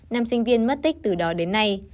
nam sinh viên mất tích từ đó đến nay